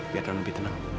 biar non lebih tenang